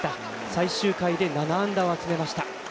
最終回で７安打を集めました。